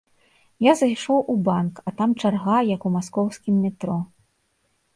Я зайшоў у банк, а там чарга, як у маскоўскім метро.